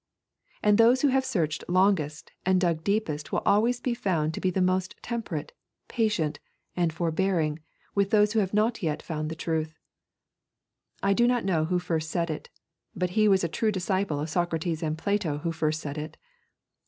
And those who have searched longest and dug deepest will always be found to be the most temperate, patient, and forbearing with those who have not yet found the truth. I do not know who first said it, but he was a true disciple of Socrates and Plato who first said it.